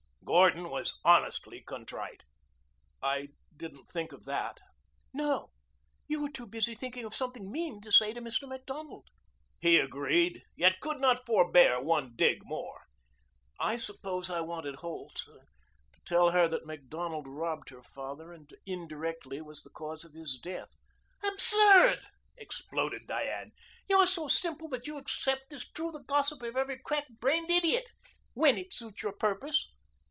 Gordon was honestly contrite. "I didn't think of that." "No, you were too busy thinking of something mean to say to Mr. Macdonald." He agreed, yet could not forbear one dig more. "I suppose I wanted Holt to tell her that Macdonald robbed her father and indirectly was the cause of his death." "Absurd!" exploded Diane. "You're so simple that you accept as true the gossip of every crack brained idiot when it suits your purpose."